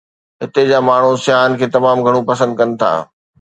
هتي جا ماڻهو سياحن کي تمام گهڻو پسند ڪن ٿا.